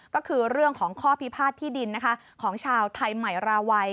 ก็คือเรื่องของข้อพิพาทที่ดินของชาวไทยใหม่ราวัย